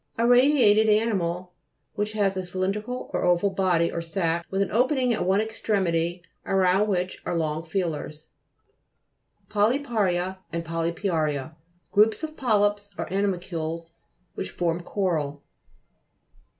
A radiated animal which has a cylindrical or oval body, or sac, with an opening at one extremity, around which are long feelers. POLYPA'HIA, and POLTPIA'RIA Groups of polyps or animalcules which form coral.